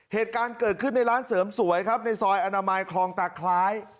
เหตุการณ์เกิดขึ้นในร้านเสริมสวยครับในซอยอนามัยคลองตาคล้าย